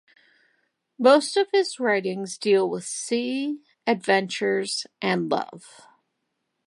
Most of his writings deal with sea, adventures, and love.